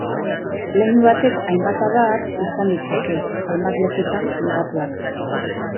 Leinu batek hainbat adar izan ditzake, hainbat lekutan finkatuak.